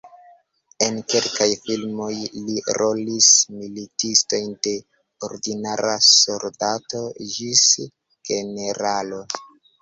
En kelkaj filmoj li rolis militistojn de ordinara soldato ĝis generalo.